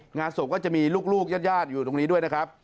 งานศพก็จะมีลูกญาติอยู่ตรงนี้ด้วยนะครับ